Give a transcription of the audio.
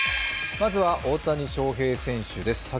まずは大谷翔平選手です。